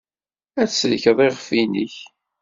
Ad tsellkeḍ iɣef-nnek.